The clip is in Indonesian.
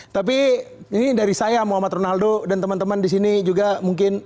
tapi ini dari saya muhammad ronaldo dan teman teman di sini juga mungkin